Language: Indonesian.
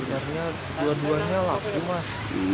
artinya dua duanya laku mas